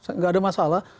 nggak ada masalah